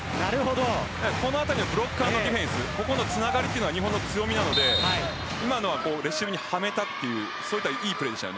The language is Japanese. このあたりのブロッカーのディフェンスつながりは日本の強みなので今のはレシーブにはめたいいプレーでした。